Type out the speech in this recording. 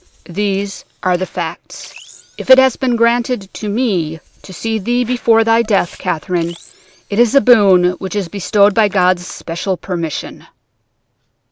These are the facts. If it has been granted to me to see thee before thy death, Catherine, it is a boon which is bestowed by God's special permission.'